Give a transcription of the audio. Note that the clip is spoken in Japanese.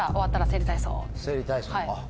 整理体操。